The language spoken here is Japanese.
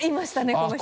この人。